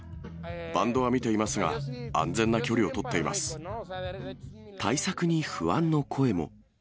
バンドは見ていますが、安全な距対策に不安の声も。